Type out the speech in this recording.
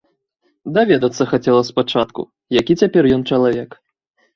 Даведацца хацела спачатку, які цяпер ён чалавек.